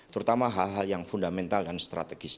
terutama hal hal yang fundamental dan strategis